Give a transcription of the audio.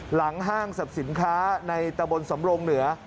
หลังห้างสับสินค้าในตะบนสำรงเหนือ